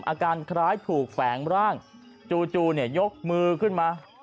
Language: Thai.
อาการคล้ายถูกแฝงร่างจู่ยกมือขึ้นมา